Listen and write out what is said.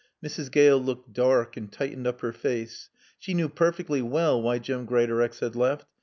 Mrs. Gale looked dark and tightened up her face. She knew perfectly well why Jim Greatorex had left.